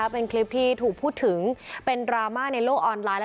เป็นคลิปที่ถูกพูดถึงเป็นดราม่าในโลกออนไลน์